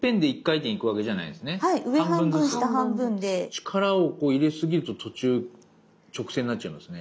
力を入れすぎると途中直線になっちゃいますね。